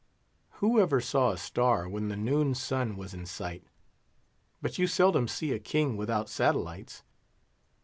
Who ever saw a star when the noon sun was in sight? But you seldom see a king without satellites.